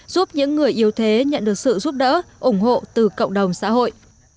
giúp những người yếu thế nhận được sự giúp đỡ ủng hộ từ cộng đồng xã hội